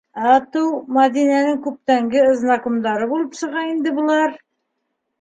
Атыу Мәҙинәнең күптәнге ызнакумдары булып сыға инде былар!